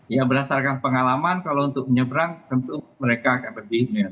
ya berdasarkan pengalaman kalau untuk menyeberang tentu mereka akan berpikir